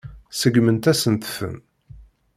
Seggment-asent-ten.